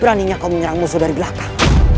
beraninya kau menyerang musuh dari belakang